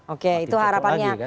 oke itu harapannya